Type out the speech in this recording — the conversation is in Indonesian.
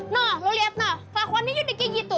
wah lo liat nanda kelakuannya juga kayak gitu